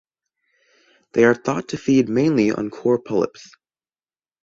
They are thought to feed mainly on coral polyps.